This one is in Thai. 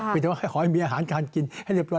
เป็นแต่ว่าขอให้มีอาหารการกินให้เรียบร้อ